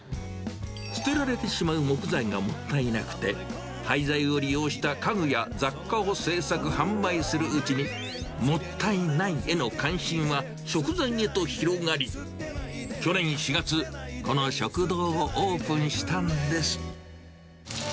捨てられてしまう木材がもったいなくて、廃材を利用した家具や雑貨を制作・販売するうちに、もったいないへの関心は食材へと広がり、去年４月、この食堂をオープンしたんです。